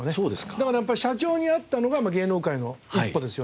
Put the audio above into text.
だからやっぱり社長に会ったのが芸能界の一歩ですよね。